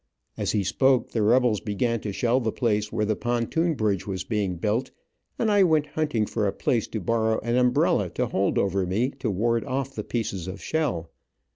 As he spoke the rebels began to shell the place where the pontoon bridge was being built, and I went hunting for a place to borrow an umbrella to hold over me, to ward off the pieces of shell.